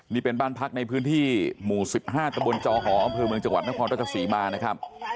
นี่เป็นบ้านพักในพื้นที่หมู่๑๕ตะบนจอหออำเภอเมืองจังหวัดนครราชสีมานะครับ